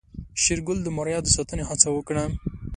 شېرګل د ماريا د ساتنې هڅه وکړه.